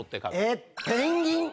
えっペンギン？